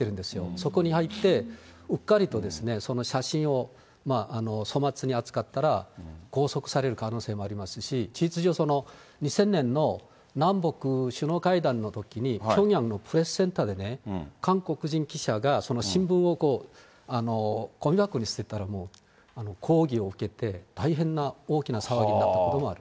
そこに入って、うっかりとその写真を粗末に扱ったら、拘束される可能性もありますし、事実上、２０００年の南北首脳会談のときに、ピョンヤンのプレスセンターで韓国人記者が、その新聞をごみ箱に捨てたら、もう、抗議を受けて、大変な、大きな騒ぎになったこともある。